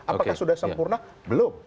apakah sudah sempurna belum